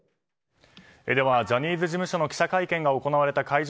ジャニーズ事務所の記者会見が行われた会場